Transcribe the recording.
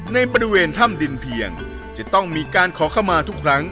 ในบริเวณถ้ำดินเพียงจะต้องมีการขอเข้ามาทุกครั้ง